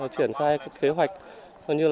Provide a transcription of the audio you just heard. triển khai kế hoạch